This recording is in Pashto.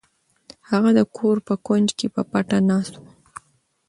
هغه د کور په کونج کې پټه ناسته وه.